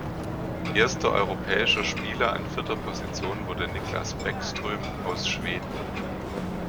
Erster europäischer Spieler an vierter Position wurde Nicklas Bäckström aus Schweden.